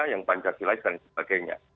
yang panjang silai dan sebagainya